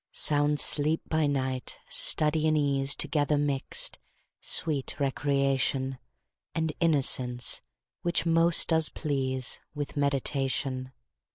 Sound sleep by night; study and ease Together mixed; sweet recreation, And innocence, which most does please With meditation.